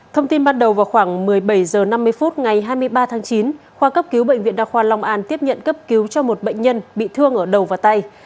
thông tin ban đầu vào khoảng một mươi bảy h năm mươi phút ngày hai mươi ba tháng chín khoa cấp cứu bệnh viện đa khoa long an tiếp nhận cấp cứu cho một bệnh nhân bị thương ở đầu và tay